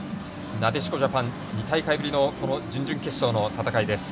なでしこジャパン２大会ぶりの準々決勝の戦いです。